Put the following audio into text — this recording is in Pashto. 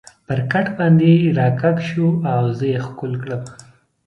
پر کټ باندې را کږ شو او زه یې ښکل کړم.